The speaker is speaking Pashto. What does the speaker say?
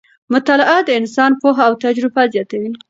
مطالعه د انسان پوهه او تجربه زیاتوي